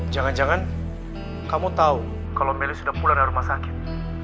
jangan jangan kamu tahu kalau meli sudah pulang dari rumah sakit